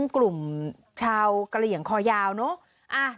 กลุ่มชาวกะเหลี่ยงคอยาวเนอะ